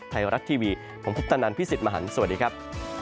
ไทยรัฐทีวีผมพุทธนันพี่สิทธิ์มหันฯสวัสดีครับ